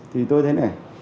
thì tôi thấy này